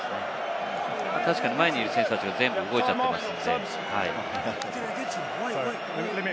確かに前にいる選手たちは全部動いていますので。